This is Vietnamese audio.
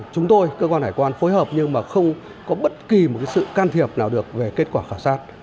chúng tôi cơ quan hải quan phối hợp nhưng mà không có bất kỳ một sự can thiệp nào được về kết quả khảo sát